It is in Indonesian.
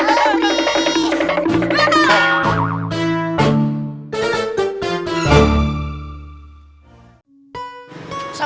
selamat datang pak